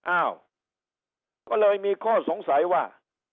อ้าวก็เลยมีข้อสงสัยว่า